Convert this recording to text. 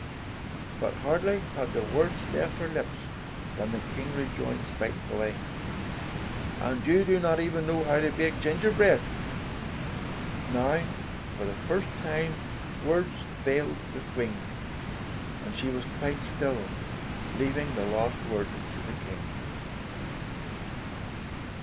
'' But hardly had the words left her lips, 34 Tales of Modern Germany than the King rejoined spitefully, ''And you do not even know how to bake ginger bread!'' And now, for the first time, words failed the Queen, and she was quite still, leaving the last word to the King.